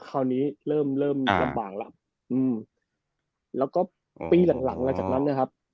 คราวนี้เริ่มเริ่มหลับหลังแล้วแล้วก็ปีหลังหลังแล้วจากนั้นนะครับ